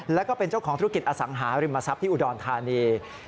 แล้วก็เป็นเจ้าของธุรกิจอสังหาริมทรัพย์ที่อุดรธานี